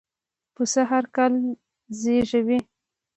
پسه هرکال زېږوي.